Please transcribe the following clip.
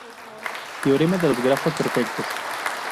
Teorema de los grafos perfectos.